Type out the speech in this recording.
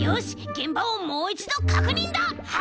げんばをもういちどかくにんだ！